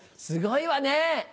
すごいわね！